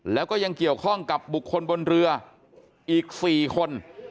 แล้วก็ยังเกี่ยวข้องกับบุคคลบนเรืออีก๔คน